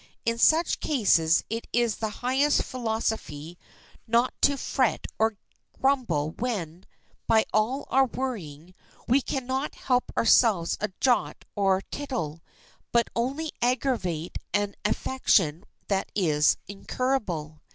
In such cases it is the highest philosophy not to fret or grumble when, by all our worrying, we can not help ourselves a jot or tittle, but only aggravate an affliction that is incurable.